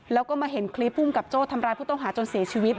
แล้วก็มาเห็นคลิปภูมิกับโจ้ทำร้ายผู้ต้องหาจนเสียชีวิต